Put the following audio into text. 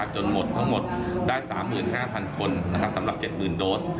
จนหมดค้องหมดได้๓๕๐๐๐คนซ้ำรับ๗๐๐๐๐โดส